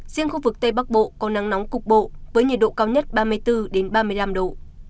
riêng khu vực tây bắc bộ có nắng nóng cục bộ với nhiệt độ cao nhất ba mươi bốn ba mươi năm độ